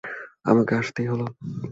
আমাকে আসতেই হল।